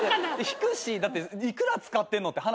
引くしだって幾ら使ってんのって話。